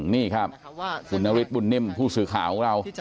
นี่ครับคุณนฤทธบุญนิ่มผู้สื่อข่าวของเรา